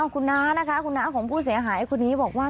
คุณน้าของผู้เสียหายคุณนี้บอกว่า